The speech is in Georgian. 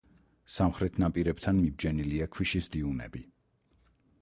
სამხრეთ ნაპირებთან მიბჯენილია ქვიშის დიუნები.